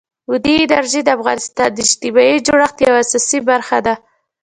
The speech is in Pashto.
بادي انرژي د افغانستان د اجتماعي جوړښت یوه اساسي برخه ده.